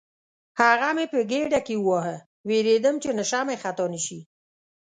هغه مې په ګېډه کې وواهه، وېرېدم چې نښه مې خطا نه شي.